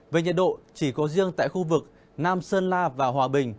về nhiệt độ chỉ có riêng tại khu vực nam sơn la và hòa bình